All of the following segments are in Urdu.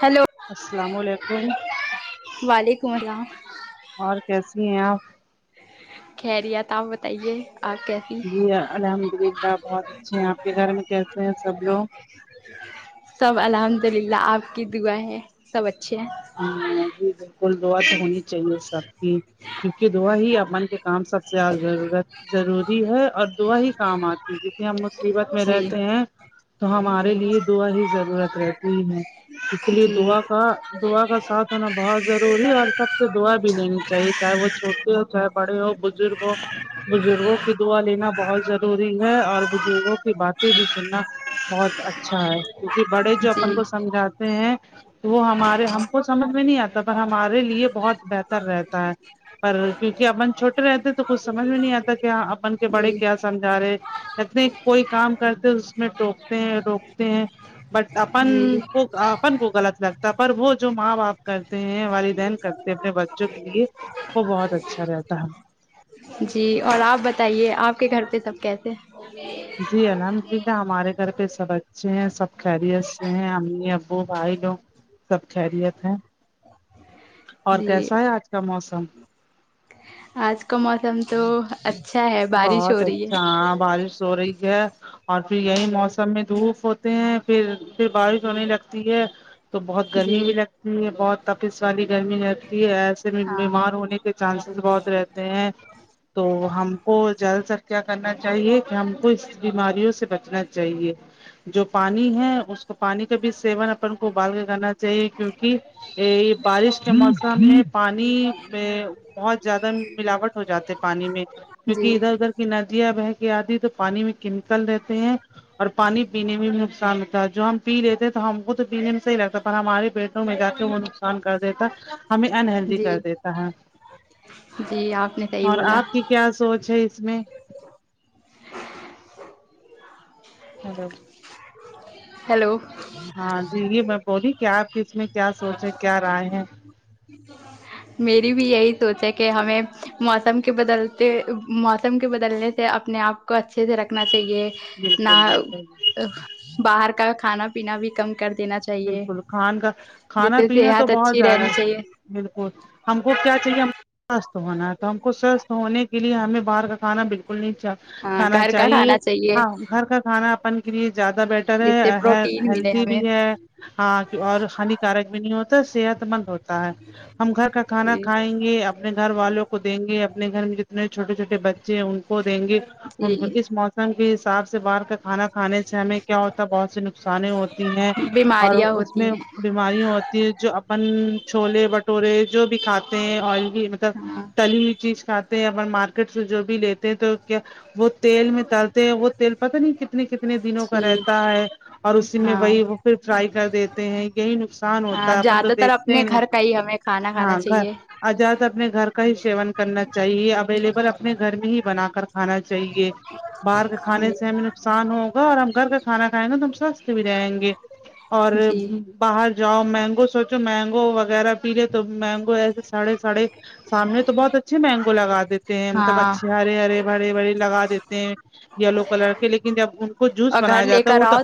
ہلو السلام علیکم وعلیکم اللام اور کیسی ہیں آپ خریت آپ بتائیے آپ کے جی الحمد للہ بہت اچھے ہیں آپ کے گھر میں کیسے ہیں سب لوگ سب الحمد للہ آپ کی دعا ہے سب اچھے ہے ہاں جی بالکل دعا تو ہونی چاہیے سب کی کیونکہ دعا ہی اپن کے کام سب سے زیادہ ضرورت ضروری ہے اور دعا ہی کام آتی ہے کیونکہ ہم مصیبت میں جی رہتے ہیں تو ہمارے لیے دعا ہی ضرورت رہتی ہے اس لیے جی دعا کا دعا کا ساتھ ہونا بہت ضروری ہے اور سب سے دعا بھی لینی چاہیے چاہے وہ چھوٹے ہو چاہے بڑے ہو بزرگ ہو بزرگوں کی دعا لینا بہت ضروری ہے اور بزرگوں کی باتیں بھی سننا بہت اچھا ہے کیونکہ بڑے جو جی اپن کو سمجھاتے ہیں وہ ہما رے ہم کو سمجھ میں نہیں آتا پر ہمارے لیے بہت بہتر رہتا ہے پر کیونکہ ابن چھوٹے رہتے تو کچھ سمجھ میں نہیں آتا کیا اپن کے بڑے جی کیا سم جھارہے سچ میں کوئی کام کرتے اس میں ٹوکتے ہیں روکتے ہیں بٹ اپن جی کو اپن کو غلط لگتا پر وہ جو ماں باپ کرتے ہیں والدہن کرتے ہیں اپنے بچوں کے لیے وہ بہت اچھا رہتا ہے جی اور آپ بتائیے آپ کے گھر پہ سب کیسے ہیں جی الحمد للہ ہمارے گھر پہ سب اچھے ہیں سب خیریت سے ہیں امی ابو بھائی لوگ سب خیریت ہے اور جی کیسا ہے آج کا موسم آج کا موسم تو اچھا ہے بارش بہت ہو رہی اچھا ہے ہاں بارش ہو رہی ہے اور پھر یہی موسم میں دھوپ ہوتے ہیں پھر پھر بارش ہونے لگتی ہے تو بہت جی گرمی بھی لگ تی ہیں بہت تپش والی گرمی رہتی ہے ایسے میں ہاں بیمار ہونے کے چانسز بہت رہتے ہیں تو ہم کو جلد سر کیا کرنا چاہیے کہ ہم کو اس بیماریوں سے بچنا چاہیے جو پانی ہے اس کو پانی کا بھی سیون اپن کو ابال کے کرنا چاہیے کیونکہ یہ بارش کے موسم میں پانی میں بہت زیادہ ملاوٹ ہو جاتے پانی میں جی کیونکہ ادھر ادھر کی ندیاں بہ کی آدھی تو پانی میں کیمکل رہتے ہیں اور پانی پینے میں بھی نقصان ہوتا ہے جو ہم پی لیتے ہیں تو ہم کو تو پینے میں صحیح لگتا ہے پر ہمارے پیٹ میں جا کے وہ نقصان کر دیتا ہے ہمیں انہلدی جی کر دیتا ہے جی آپ نے صحیح اور بولا آپ کی کیا سوچ ہے اس میں [unintelligible] ہیلو ہاں جی یہ میں بولی کہ آپ ک میں کیا سوچ ہے کیا رائے ہے [inaudible] میری بھی یہی سوچ ہے کہ ہمیں موسم کے بدلتے موسم کے بدلنے سے اپنے آپ کو اچھے سے رکھنا چاہیے نہ بالکل بالکل باہر کا کھانا پینا بھی کم کر دینا چ بالکل کھان کا کھانا پینا تو صحت بہت اچھی زیادہ رہنی چاہیے بالکل ہم کو کیا چاہیے ہم سوستھ ہونا ہے تو ہم کو سوستھ ہونے کی ہمیں باہر کا کھانا بالکل نہیں چ ہاں کھانا گھر کا چاہیے کھانا ہاں گھر کا کھانا اپن کے لیے زیادہ بیٹر جس سے ہے ہ پروٹین ملے ہیلدی ہمیں بھی ہے ہاں اور ہانیکارک بھی نہیں ہوتا صحت مند ہوتا ہے ہم گھر کا کھانا جی کھائیں گے اپنے گھر والوں کو دیں گے اپنے گھر میں جتنے چھوٹے چھوٹے بچے چے ان کو دیں گے جی ان کو اس موسم کے حساب سے باہر کا کھانا کھانے سے ہمیں کیا ہوتا ہے بہت سی نقصانے ہوتی ہیں اور بیماریاں اس ہوتی میں ہیں بیماریاں ہوتی ہے جو اپن چھولے بھٹورے جو بھی کھاتے ہیں ایل یہ مطلب ہاں تلی ہوئی چیز کھاتے ہیں اور مارکیٹ سے جو بھی لیتے ہیں تو کیا وہ تیل میں تالتے ہیں وہ تیل پتہ نہیں کتنے کتنے کتنے دنوں کا جی رہتا ہے اور اسی میں ہاں وہی وہ پھر فرائی کر دیتے ہیں یہی نقصان صان ہاں ہوتا ہے اپن تو زیادہ تر اپنے دیکھتے نہیں گھر کا ہی ہمیں کھانا کھانا ہاں گھر چاہیے اجاد اپنے گھر کا ہی سیون کرنا چاہیے اویلیبل اپنے گھر میں ہی بنا کر کھانا چاہیے باہر کے کھانے سے ہمیں نقصان ہوگا اور ہم گھر کا کھانا کھائیں گے تو ہم سوستھ بھی رہیں گے اور جی باہر جاؤ مینگو سوچو مینگو وغیرہ پیلے تو مینگو ایسے سڑے سڑے سامنے تو بہت اچھے مینگو لگا دیتے ہیں مطلب ہاں اچھے ہرے ہرے بھرے بھرے لگا دیتے ہیں یلو کلر کے لیکن جب ان کو جوس اور گھر بنایا لے جاتا ہے کر وہ تو آؤ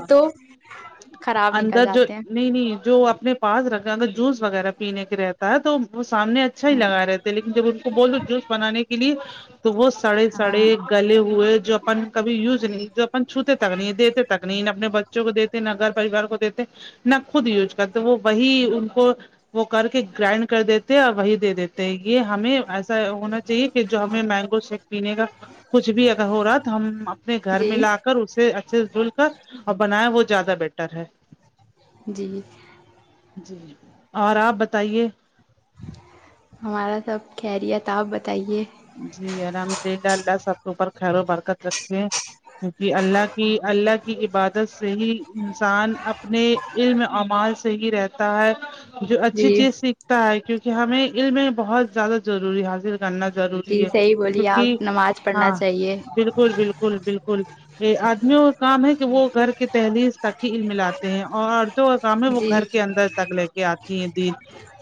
خراب نکل اندر جو جاتے ہیں نہیں نہیں جو اپنے پاس رکھ اگر جوس وغیرہ پینے کے رہتا ہے تو وہ سامنے اچھا ہی ہاں لگا رہے تھے لیکن جب ان کو بولو جوس بنانے کے لیے تو وہ سڑے سڑے ہاں گلے ہوئے جو اپن کبھی یوز نہیں جو اپ چھوتے تک نہیں دیتے تک نہیں اپنے بچ چوں کو دیتے نہ گھر پریوار کو دیتے نہ خود یوج کرتے وہ وہی ان کو وہ کر کے گرائنڈ کر دیتے اور وہی دے دیتے تو یہ ہمیں ایسا ہونا چاہیے کہ جو ہمیں مینگو شیک پینے کا کچھ بھی اگر ہو رہا ہے تو ہم اب اپنے گھر جی میں لا کر اسے اچھے سے دھل کر اور بنایا وہ زیادہ بیٹر ہے جی جی اور آپ بتائیے ہمارا سب خیریت آپ بتائیے جی الحمد للہ اللہ سب کے اوپر خیر و برکت رکھے کیونکہ اللہ کی اللہ کی عبادت سے ہی انسان اپنے علم اعمال سے ہی رہتا ہے جو اچھی جی چیز سیکھتا ہے کیونکہ ہمیں علم میں بہت زیادہ ضروری حاصل کرنا ضرو ری جی ہے صحیح بولیے کیونکہ آپ نماز پڑھنا ہاں چاہیے پھر بالکل بالکل بالکل یہ آدمیوں کا کام ہے کہ وہ گھر کے دہلیز تک ہی علم لاتے ہیں عورتوں کا کام ہے وہ جی گھر کے اندر تک لے کے آتی ہیں دین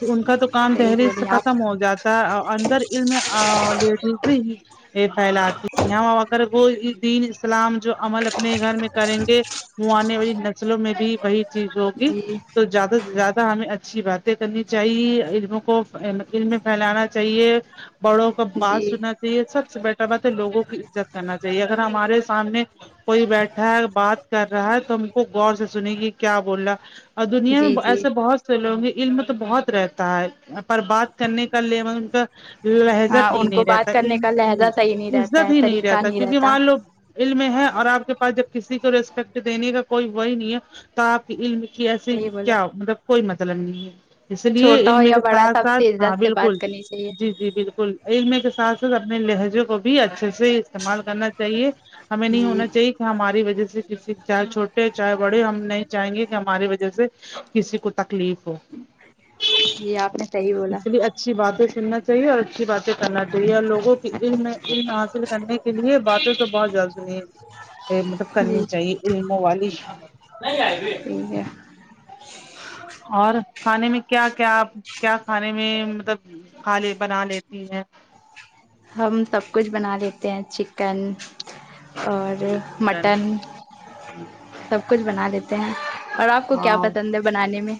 تو ان کا تو کام صحیح دہلیئز سے بولیے آپ ختم ہو جاتا ہے اور اندر علم ا لیڈیز ہی یہ پھیلاتی اگر وہ دین اسلام جو عمل اپنے گھر میں کریں گے وہ آنے والی نسلوں میں بھی وہی چیز ہوگی جی تو زیادہ سے زیادہ ہمیں اچھی باتیں کرنی چاہیے علموں کو علم پھیلانا چاہیے بڑوں ب بات جی سننا چاہیے سب سے بیٹر بات ہے لوگوں کی عزت کرنا چاہیے اگر ہمارے سامنے کوئی بیٹھا ہے بات کر رہا ہے تو ہم کو غور سے سنے گی کیا بول رہا اور دنیا میں جی ب جی ایسے بہت لوگوں گے علم تو بہت رہتا ہے پر بات کرنے کا لے مطلب کا لہجہ ہاں ان نہی کو رہتا بات کرنے علم کا ہوں لہجہ صحیح نہیں رہتا عزت ہے ہی نہیں طریقہ رہتا کیونکہ وہاں لوگ علم ہے اور آپ کے پاس جب کسی کو ریسپیکٹ دینے کا کوئی وہی نہیں ہے تو آپ کی علم کی ایسے صحیح بولے کیا مطلب کوئی مطلب نہیں ہے اس لیے چھوٹا ہو علم یا کے بڑا ساتھ سب ساتھ سے ہاں عزت سے بالکل بات کرنی چاہیے جی جی بالکل علم کے ساتھ ساتھ اپنے لہجے کو بھی اچھے سے استعمال کرنا چاہیے ہمیں نہیں جی ہونا چاہیے کہ ہماری وجہ سے کسی چاہے چھو ٹے چاہے بڑے ہم نہیں چاہیں گے کہ ہماری وجہ سے کسی کو تکلیف ہو جی آپ نے صحیح بولا اسی لیے اچھی باتیں سننا چاہیے اور اچھی باتیں کرنا چاہیے اور لوگوں کی علم میں علم حاصل کرنے کے لیے باتیں تو بہت جلد سنئے یہ مطلب کرنی چاہیے علموں والی نہیں آئی ابھی اور کھانے میں کیا کیا آپ کیا کھانے میں مطلب خالی بنا لیتی ہیں ہم سب کچھ بنا لیتے ہیں چکن اور جی چکن مٹن سب کچھ بنا لیتے ہیں اور آپ کو کیا ہاں پسند ہے بنانے میں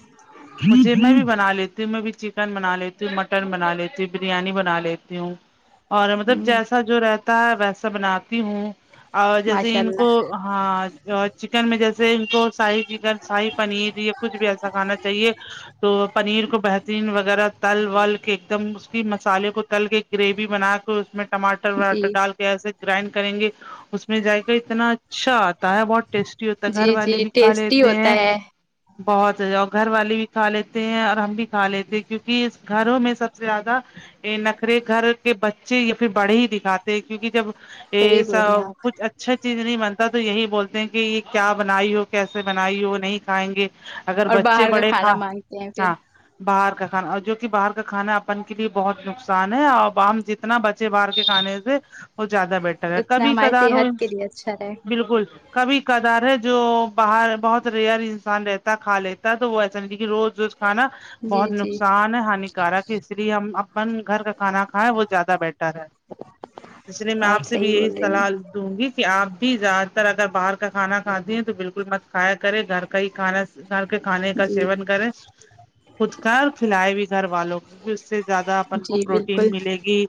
مجھے میں بھی بنا لیتی ہوں میں بھی چکن بنا لیتی ہوں مٹن بنا لیتی ہوں بریانی بنا لیتی ہوں اور مطلب ہوں جیسا جو رہتا ہے ویسا بناتی ہوں اور جیسے ماشاء ان کو اللہ ہاں چکن میں جیسے ان کو ساہی چکن ساہی پنیر بھی یا کچھ بھی ایسا کھانا چاہیے تو پنیر کو بہترین وغیرہ تل ول کے ایک دم اس کے؀مسالے کو تل کے گریوی بنا تو اس میں ٹماٹر وراٹر جی ڈال کے ایسے گرائنڈ کریں گے اس میں جیکا اتنا اچھا آتا ہے بہت ٹیسٹی ہوتا ہے گھر جی والے جی بھی کھا لیتے ٹیسٹی ہوتا ہیں ہے بہت ذیادہ اور گھر والے بھی کھا لیتے ہیں اور ہم بھی کھا لیتے ہیں کیونکہ اس گھروں میں سب سے زیادہ یہ نخرے گھر کے بچے یا پھر بڑے ہی دکھاتے ہیں کیونکہ جب یہ صحیح بول رہی ہیں ساب آپ کچھ اچھا چیز نہیں بنتا تو یہی بولتے ہیں کہ یہ کیا بنائی ہو کیسے بنائی وہ نہیں کھائیں گے اگر اور بچے باہر کا بڑے کھانا ہاں مانگتے ہیں پھر ہاں باہر کا کھانا جو کہ باہر کا کھانا اپن کے لیے بہت نقصان ہے ابام جتنا بچ بچے باہر کے کھانے سے وہ زیادہ بیٹر ہے اتنا کبھی ہماری کبھار ہو صحت کے لیے اچھا رہے بالکل کبھی کدھار ہے جو باہر بہت ریئر انسان رہتا کھا لیتا تو وہ ایسا نہیں تھا کہ روز روز کھانا جی بہت جی نقصان ہے ہانی کارک ہے اس لیے ہم اپن گھر کا کھانا کھائیں وہ زیادہ بیٹر ہے اس لیے میں آپ سے بھی صحیح یہی بول رہی ہیں سلال لو ہوں گی کہ آپ بھی زیادہ تر اگر باہر کا کانا کھاتے ہیں تو بالکل اسکول مت کھایا کرے گھر کا ہی کھانا گھر کے کھانے کا جی سیون کرے خود کر کھلائے بھی گھر والوں کی اس سے زیادہ اپن کو جی پروٹین بالکل ملے گی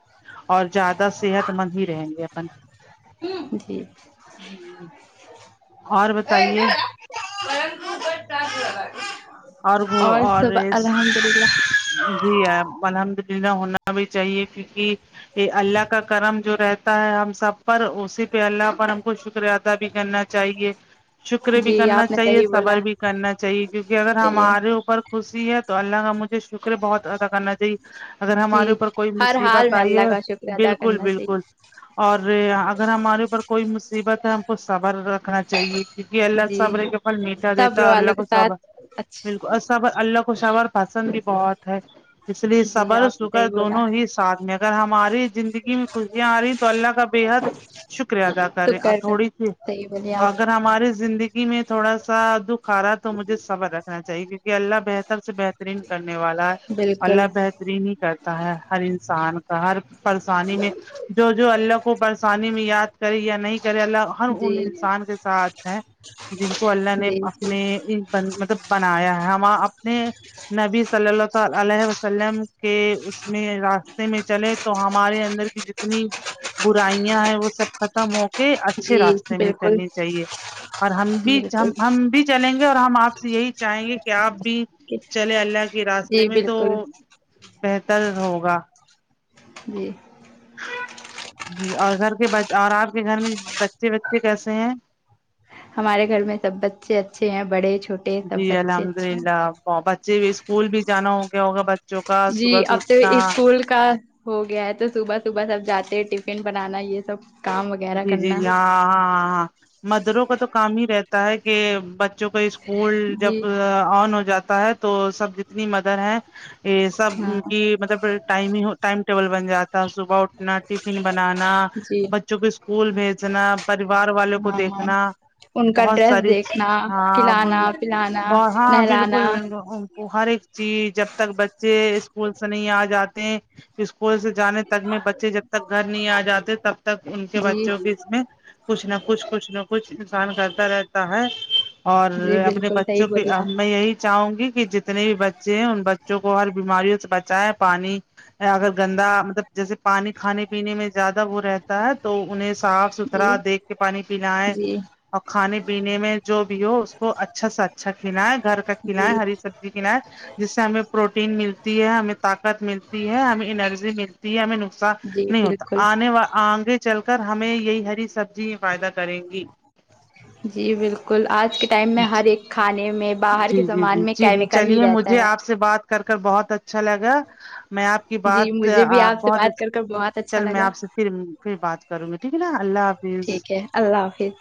اور زیادہ صحت مند ہی رہیں گے اپن امم جی اور بچے بتائیے س ب ہے [inaudible] اور وہ اورریسٹ الحمد للہ جی آپ الحمد للہ ہونا بھی چاہیے کیونکہ یہ اللہ کا کرم جو رہتا ہے ہم سب پر اسی پہ اللہ پر ہم کو شکر ادا بھی کرنا چاہیے شکر بھی جی کرنا آپ نے چاہیے صحیح صبر بولا بھی کرنا چاہیے کیونکہ خود اگر صحیح ہے ہمارے اوپر خوشی ہے تو اللہ کا مجھے شکر بہت ادا کرنا چاہیے اگر ہمارے جی اوپر کوئی ہر حال مصیبت میں آئی اللہ ہے کا شکر ادا بالکل کرنا بالکل چاہیے اور اگر ہمارے اوپر کوئی مصیبت ہے ہم کو صبر رکھنا چاہیے کہ اللہ جی صبر کا پھل میٹھا دیتا صبر ہے اور والوں الله کے کو صب ساتھ بالکل اچھا اور صبر اللہ کو صبر پسند بھی بہت ہے اس لیے جی صبر آپ نے شکر صحیح بولا دونوں ہی ساتھ میں اگر ہماری زندگی میں خوشیاں آ رہی تو اللہ کا بےحد شکر ادا تو کرے آ کر کر تھوڑی سی صحیح بولیے اگر آپ ہماری زندگی میں تھوڑا سا دکھ آ رہا تو مجھے صبر رکھنا چاہیے کیونکہ اللہ بہتر سے بہترین کرنے والا ہے بالکل اللہ بہترین ہی کرتا ہے ہر انسان کا ہر پریشانی میں جو جو اللہ کو پرسانی میں یاد کرے یا نہیں چلے اللہ ہر جی ان انسان کے ساتھ ہیں جن کو اللہ نے جی جی اپنے اپن مطلب بنایا ہے ہم اپنے نبی صلی اللہ تع علیہ وسلم کے اس میں راستے میں چلے تو ہمارے اندر بھی ج اتنی برائیاں ہیں وہ سب ختم ہو کہ اچھے جی راستے میں بالکل چلنی چاہیے اور ہم بھی بالکل ہم بھی چلیں گے اور تو ہم آپ سے یہی چاہیں گے کہ آپ بھی چلے اللہ کے راستے جی میں تو بالکل بہتر ہوگا جی جی اور گھر کے ب اور آپ کے گھر میں بچے وچے کیسے ہیں ہمارے گھر میں سب بچے اچھے ہیں بڑے چھوٹ جی الحمد للہ اور بچے بھی اسکول بھی جانا ہو گیا ہوگا بچوں کا صبح اٹھنا فول کا ہو گیا ہے تو صبح صبح سب جاتے ہیں ٹفن بنانا یہ سب کام وغیرہ جی جی کرنا جی ہاں ہاں ہاں مدروں کا تو کام ہی رہتا ہے کہ بچوں کا اسکول جی جب آن ہو جاتا ہے تو سب اتنی مدر ہے یہ سب ہاں کی مطلب ٹائم ہی ٹائم ٹیبل بن جاتا صبح اٹھنا ٹفن بنانا جی بچوں کو اسکول بھیجنا پریوار والوں کو ہاں ہاں دیکھنا ان کا بہت ڈریس ساری دیکھنا ہاں ا بل کھلانا پلانا ہاں نہلانا بالکل بلکل وہ ہر ایک چیز جب تک بچے اسکول سے نہیں آ جاتے اسکول سے جانے تک میں بچے جب تک گھر نہیں آ جاتے تب تک ان کے جی بچوں بھی اس میں کچھ نہ کچھ کچھ نہ کچھ انسان کرتا رہتا ہے اور جی اپنے بالکل صحیح بچوں کے بولیے ا آپ میں یہی چاہوں گی کہ جتنے بھی بچے ہیں ان بچوں کو ہر بیماریوں سے بچائے پانی اگر گندا مطلب جیسے پانی کھانے پینے میں زیادہ وہ رہتا ہے تو انہیں صاف جی ستھرا دیکھ کے پانی پینا ہے جی اور کھانے پینے میں جو بھی ہو اس کو اچھا سے اچھا کھلا ہے گھر تک کھلایے جی ہری سبزی کھلائے جس سے ہمیں پروٹین ملتی ہے ہمیں طاقت ملتی ہے ہمیں انرجی مل تی ہمیں نقصان جی نہیں ہوتا بالکل آنے وال آگے چل کر ہمیں یہی ہری سبزی فائدہ کریں گی جی بالکل آج کے ٹائم میں ہر ایک کھانے میں باہر جی کے جی سامان جی میں چلی کیمیکل ہی چلیے رہتا مجھے آپ ہے سے بات کر کر بہت اچھا لگا میں آپ کی جی بات مجھے بھی آپ سے بہت بات اچ کر کر بہت اچھا چل میں لگا آپ سے پھر پھر بات کروں گی ٹھیک ہے نا اللہ حا ٹھیک ہے اللہ حافظ